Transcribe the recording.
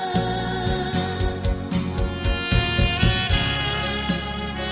karena domba allah telah tinggalkan surga